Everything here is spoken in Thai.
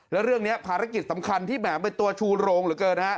แล้วเรื่องนี้ภารกิจสำคัญที่แหมเป็นตัวชูโรงเหลือเกินฮะ